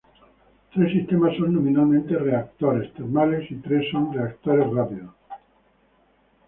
Tres sistemas son nominalmente reactores termales y tres son reactores rápidos.